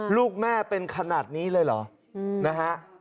ลูกแม่เป็นขนาดนี้เลยเหรอนะฮะ